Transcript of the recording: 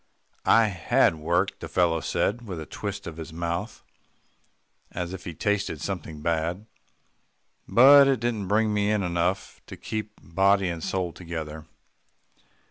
"I had work," the fellow said with a twist of his mouth, as if he tasted something bad, "but it didn't bring me in enough to keep body and soul together."